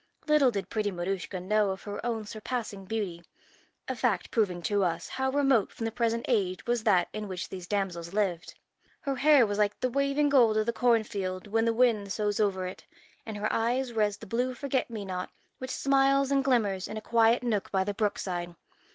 Little did pretty Maruschka know of her own surpassing beauty a fact proving to us how remote from the present age was that in which these damsels lived. Her hair was like the waving gold of the cornfield when the wind soughs over it, and her eyes were as the blue forget me not which smiles and glimmers in a quiet nook by the brookside.